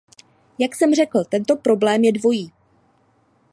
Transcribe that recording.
Jak jsem řekl, tento problém je dvojí.